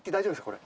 これ。